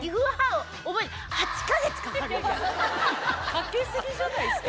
かけ過ぎじゃないですか？